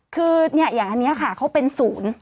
คืออย่างอันนี้ค่ะเขาเป็นศูนย์